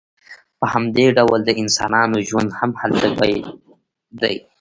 په همدې ډول د انسانانو ژوند هم هلته بیل دی